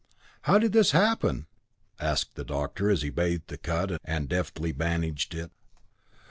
"How did this happen?" asked the doctor as he bathed the cut and deftly bandaged it.